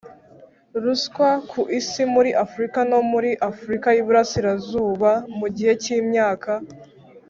ruswa ku Isi muri Afurika no muri Afurika y Iburasirazuba mu gihe cy imyaka